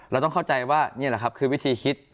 เราต้องเข้าใจว่านี่แหละครับคือวิธีคิด